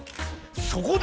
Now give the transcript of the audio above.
そこで！